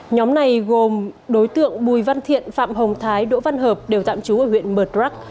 nhóm này gồm đối tượng bùi văn thiện phạm hồng thái đỗ văn hợp đều tạm trú ở huyện mật rắc